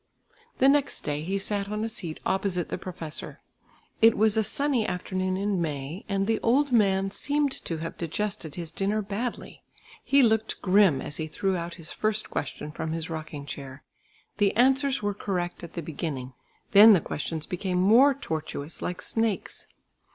The next day he sat on a seat opposite the professor. It was a sunny afternoon in May, and the old man seemed to have digested his dinner badly. He looked grim as he threw out his first question from his rocking chair. The answers were correct at the beginning. Then the questions became more tortuous like snakes.